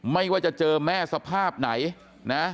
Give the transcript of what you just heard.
ไม่ว่าจะเจอแม่สภาพไหนนะ